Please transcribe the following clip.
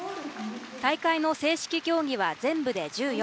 大会の正式競技は全部で１４。